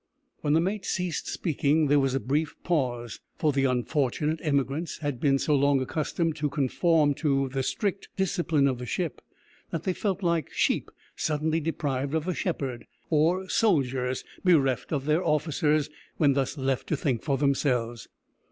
When the mate ceased speaking, there was a brief pause, for the unfortunate emigrants had been so long accustomed to conform to the strict discipline of the ship that they felt like sheep suddenly deprived of a shepherd, or soldiers bereft of their officers when thus left to think for themselves.